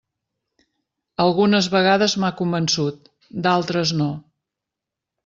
Algunes vegades m'ha convençut, d'altres no.